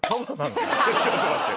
ちょっと待って。